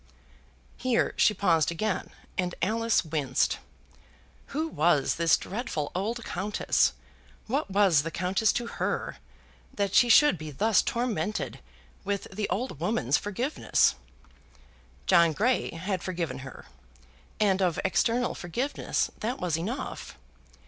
Here she paused again, and Alice winced. Who was this dreadful old Countess; what was the Countess to her, that she should be thus tormented with the old woman's forgiveness? John Grey had forgiven her, and of external forgiveness that was enough.